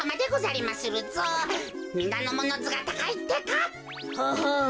みなのものずがたかいってか。ははぁ。